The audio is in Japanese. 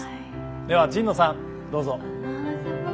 では神野さんどうぞ。